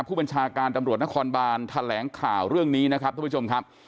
ผู้บัญชาการตำรวจนครบานแถลงข่าวเรื่องนี้นะครับท่านผู้ชมครับ